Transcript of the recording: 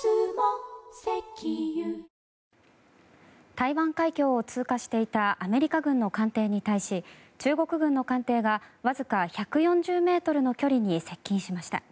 台湾海峡を通過していたアメリカ軍の艦艇に対し中国軍の艦艇がわずか１４０ｍの距離に接近しました。